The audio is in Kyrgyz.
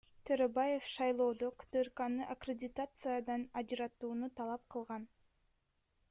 Төрөбаев шайлоодо КТРКны аккредитациядан ажыратууну талап кылган.